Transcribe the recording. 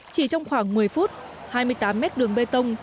chỉ trong khoảng một mươi phút hai mươi tám mét đường bê tông